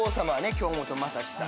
京本政樹さん。